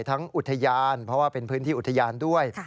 อุทยานเพราะว่าเป็นพื้นที่อุทยานด้วย